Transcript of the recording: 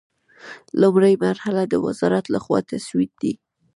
لومړۍ مرحله د وزارت له خوا تسوید دی.